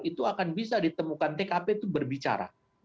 itu akan bisa ditemukan tkp itu berbicara